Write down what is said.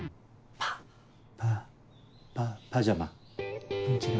パパパジャマ？